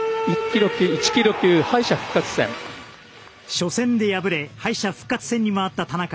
初戦で敗れ敗者復活戦に回った田中。